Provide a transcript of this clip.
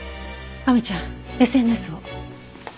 亜美ちゃんＳＮＳを。